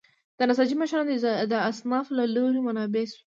د نساجۍ ماشینونه د اصنافو له لوري منع شوي وو.